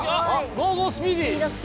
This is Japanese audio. ゴーゴースピーディー！